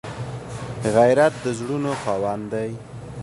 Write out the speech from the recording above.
غیرت د زړونو خاوند دی